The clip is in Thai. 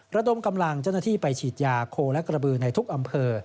ระดมกำลังเจ้าหน้าที่ไปฉีดยาโคและกระบือในทุกอำเภอ